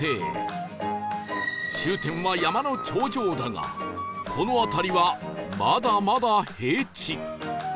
終点は山の頂上だがこの辺りはまだまだ平地